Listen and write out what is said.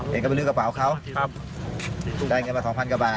เห็นเขาไปลือกระเป๋าเขาได้เงินมา๒๐๐๐กว่าบาท